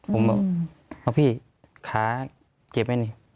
ผมบอกน้องพี่ขาเจ็บไหมเนี่ย